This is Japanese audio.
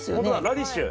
ラディッシュ。